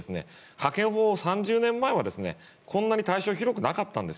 派遣法を３０年前はこんなに対象は広くなかったんです。